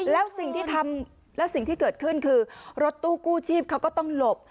แล้วสิ่งที่ทำแล้วสิ่งที่เกิดขึ้นคือรถตู้กู้ชีพเขาก็ต้องหลบ